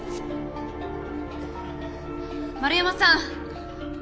円山さん！